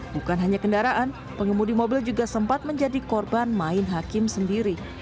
bukan hanya kendaraan pengemudi mobil juga sempat menjadi korban main hakim sendiri